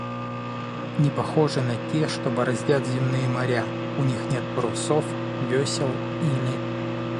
не похожи на те, что бороздят земные моря, у них нет парусов, весел или